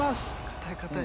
硬い硬い。